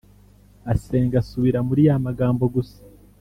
asenga asubira muri ya magambo gusa